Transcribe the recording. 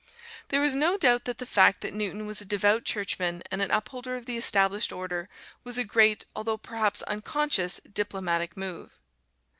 There is no doubt that the fact that Newton was a devout Churchman and an upholder of the Established Order was a great, although perhaps unconscious, diplomatic move.